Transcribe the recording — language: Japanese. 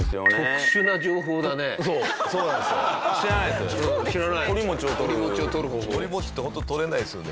とりもちってホント取れないですよね。